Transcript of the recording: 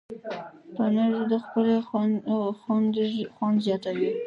پنېر د پخلي خوند زیاتوي.